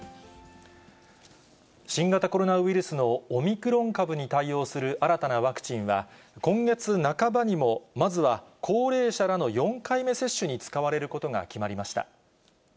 新型コロナウイルスのオミクロン株に対応する新たなワクチンは、今月半ばにも、まずは高齢者らの４回目接種に使われることが決まりました。